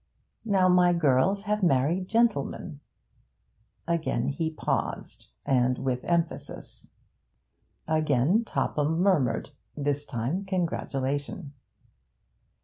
Now my girls have married gentlemen.' Again he paused, and with emphasis. Again Topham murmured, this time congratulation.